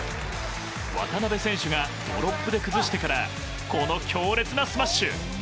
渡辺選手がドロップで崩してからこの強烈なスマッシュ。